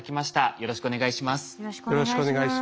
よろしくお願いします。